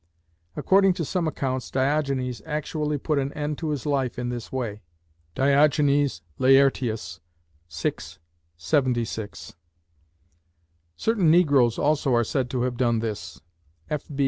According to some accounts Diogenes actually put an end to his life in this way (Diog. Laert. VI. 76). Certain negroes also are said to have done this (F. B.